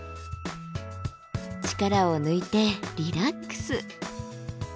力を抜いてリラックス。